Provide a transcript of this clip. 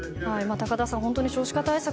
高田さん、本当に少子化対策